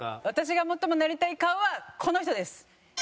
私が最もなりたい顔はこの人です。